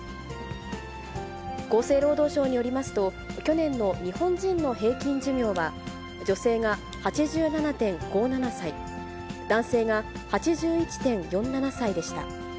厚生労働省によりますと、去年の日本人の平均寿命は、女性が８７．５７歳、男性が８１．４７歳でした。